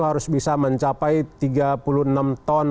harus bisa mencapai tiga puluh enam ton